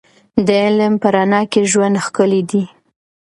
د علم په رڼا کې ژوند ښکلی دی.